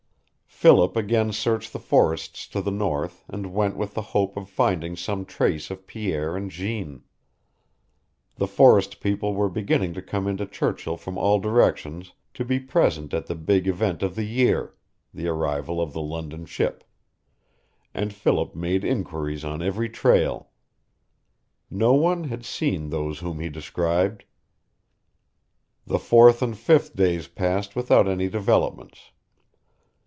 Philip again searched the forests to the north and west with the hope of finding some trace of Pierre and Jeanne. The forest people were beginning to come into Churchill from all directions to be present at the big event of the year the arrival of the London ship and Philip made inquiries on every trail. No one had seen those whom he described. The fourth and fifth days passed without any developments.